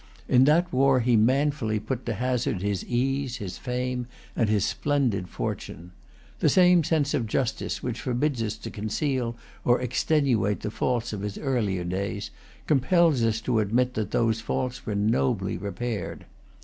In that war he manfully put to hazard his ease, his fame, and his splendid fortune. The same sense of justice which forbids us to conceal or extenuate the faults of his earlier days compels us to admit that those faults were nobly repaired.